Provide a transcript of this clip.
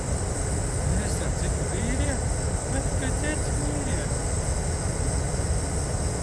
Es ar citu vīrieti, vai tikai cits vīrietis?